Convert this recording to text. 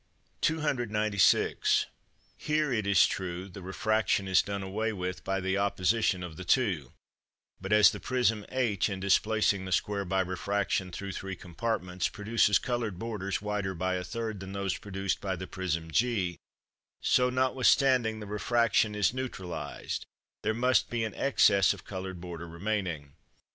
296. Here, it is true, the refraction is done away with by the opposition of the two; but as the prism h, in displacing the square by refraction through three compartments, produces coloured borders wider by a third than those produced by the prism g, so, notwithstanding the refraction is neutralised, there must be an excess of coloured border remaining.